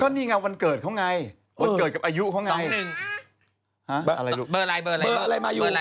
ก็นี่ไงกับวันเกิดเขาไงวันเกิดกับอายุเขาไง